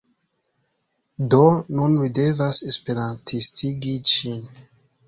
Do, nun mi devas esperantistigi ŝin